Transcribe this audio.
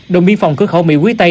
đồn biên phòng cứ khẩu mỹ quý tây